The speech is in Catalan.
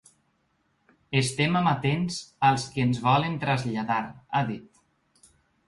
Estem amatents al que ens volen traslladar, ha dit.